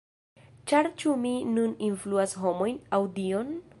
Ĉar ĉu mi nun influas homojn, aŭ Dion?